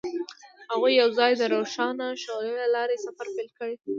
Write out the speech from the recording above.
هغوی یوځای د روښانه شعله له لارې سفر پیل کړ.